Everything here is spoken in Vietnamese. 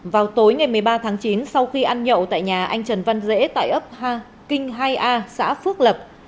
vào tối ngày một mươi ba tháng chín sau khi ăn nhậu tại nhà anh trần văn rễ tại ấp ha kinh hai a xã phước lập